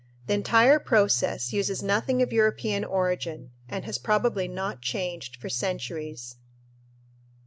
The entire process uses nothing of European origin and has probably not changed for centuries.